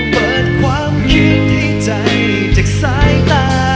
เปิดความคิดให้ใจจากสายตา